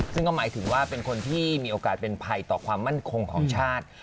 ซึ่งก็หมายถึงว่าเป็นคนที่มีโอกาสเป็นภัยต่อความมั่นคงของชาติ